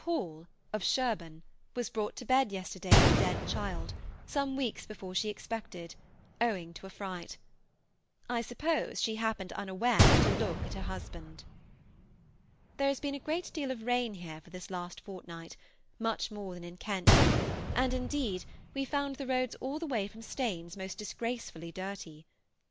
Hall, of Sherborne, was brought to bed yesterday of a dead child, some weeks before she expected, owing to a fright. I suppose she happened unawares to look at her husband. There has been a great deal of rain here for this last fortnight, much more than in Kent, and indeed we found the roads all the way from Staines most disgracefully dirty.